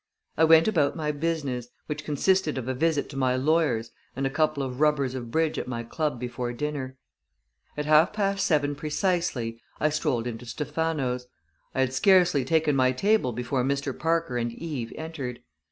I went about my business, which consisted of a visit to my lawyer's and a couple of rubbers of bridge at my club before dinner. At half past seven precisely I strolled into Stephano's. I had scarcely taken my table before Mr. Parker and Eve entered.